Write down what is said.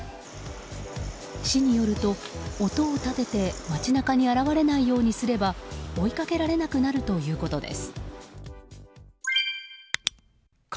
市によると、音を立てて街中に現れないようにすれば追いかけられなくなるということです。